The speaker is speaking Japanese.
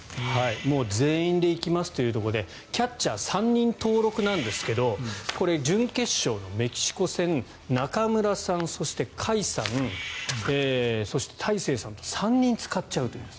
全員で行きますというところでキャッチャー３人登録なんですがこれ、準決勝のメキシコ戦中村さん、そして甲斐さんそして大城さんと３人使うという。